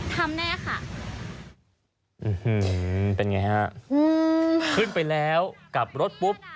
ทำแน่ค่ะเป็นไงฮะอืมขึ้นไปแล้วกลับรถปุ๊บ